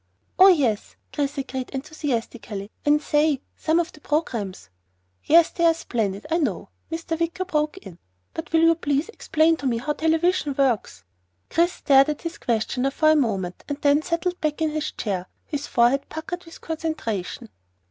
"Oh yes!" Chris agreed enthusiastically, "And say! Some of the programs " "Yes, they are splendid, I know," Mr. Wicker broke in. "But will you please explain to me how television works?" Chris stared at his questioner for a moment and then settled back in his chair, his forehead puckered with concentration.